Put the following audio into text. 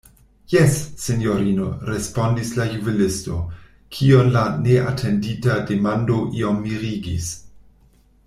Jes, sinjorino, respondis la juvelisto, kiun la neatendita demando iom mirigis.